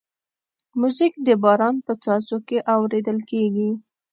موزیک د باران په څاڅو کې اورېدل کېږي.